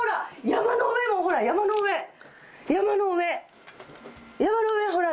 山の上もほら山の上山の上山の上ほら